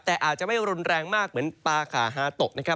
แต่อาจจะไม่รุนแรงมากเหมือนปลาขาฮาตกนะครับ